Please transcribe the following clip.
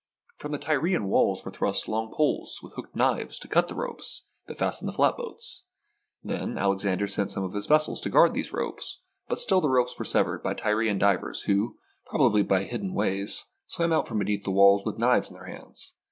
From the Tyrian walls were thrust long poles with hooked knives to cut the ropes that fastened the flatboats. Then Alexander sent some of his ves sels to guard these ropes, but still the ropes were severed by Tyrian divers, who, probably by hidden ways, swam out from beneath the walls with knives in their hands.